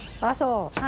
あっそう。